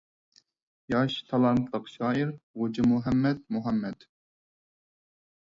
ياش، تالانتلىق شائىر غوجىمۇھەممەد مۇھەممەد